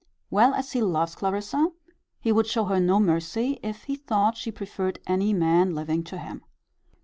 Well as he loves Clarissa, he would show her no mercy, if he thought she preferred any man living to him.